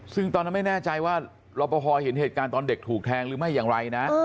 ซึ่งตอนนั้นไม่แน่ใจว่ารอปภเห็นเหตุการณ์ตอนเด็กถูกแทงหรือไม่อย่างไรนะ